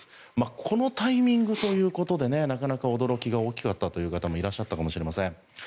このタイミングということでなかなか驚きが大きかったという方も多いかもしれません。